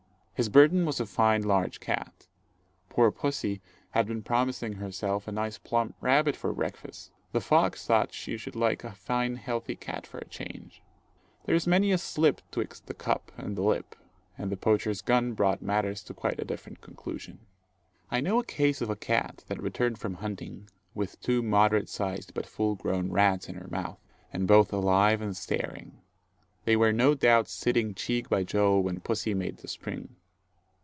His burden was a fine large cat. Poor pussy had been promising herself a nice plump rabbit for breakfast; the fox thought he should like a fine healthy cat for a change. "There's many a slip 'twixt the cup and the lip;" and the poacher's gun brought matters to quite a different conclusion. I know a case of a cat that returned from hunting, with two moderate sized but full grown rats in her mouth, and both alive and staring. They were no doubt sitting cheek by jowl when pussy made the spring.